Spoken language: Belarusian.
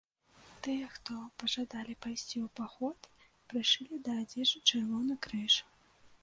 Тыя, хто пажадалі пайсці ў паход, прышылі да адзежы чырвоны крыж.